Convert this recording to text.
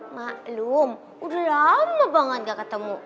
maklum udah lama banget gak ketemu